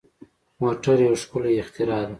موټر یو ښکلی اختراع ده.